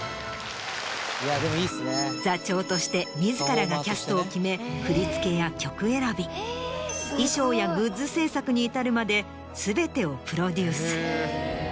座長として自らがキャストを決め振り付けや曲選び衣装やグッズ制作に至るまで全てをプロデュース。